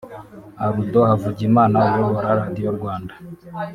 Aldo Havugimana uyobora Radiyo Rwanda